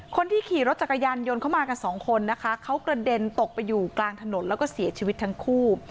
คนที่ขี่รถจักรยานยนต์เข้ามากันสองคนนะคะเขากระเด็นตกไปอยู่กลางถนนแล้วก็เสียชีวิตทั้งคู่